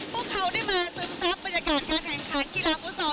พวกเขาได้มาซึมซับบรรยากาศการแข่งขันกีฬาฟุตซอล